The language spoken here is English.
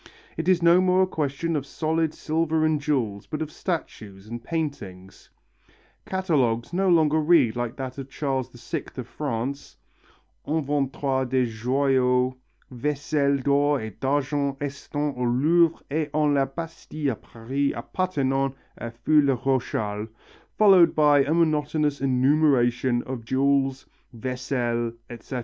It is no more a question of solid silver and jewels, but of statues and paintings. Catalogues no longer read like that of Charles VI of France: "Inventoire des joyaux, vaiselle d'or et d'argent estant au Louvre et en la Bastille à Paris appartenent à feu le roy Charles," followed by a monotonous enumeration of jewels, vaiselle, etc.